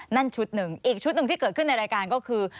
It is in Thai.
นั่นชุดหนึ่งอีกชุดหนึ่งที่เกิดขึ้นในรายการก็คือ